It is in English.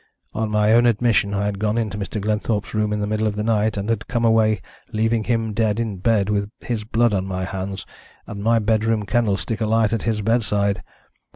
On my own admission I had gone into Mr. Glenthorpe's room in the middle of the night, and had come away leaving him dead in bed, with his blood on my hands, and my bedroom candlestick alight at his bedside.